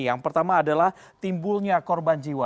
yang pertama adalah timbulnya korban jiwa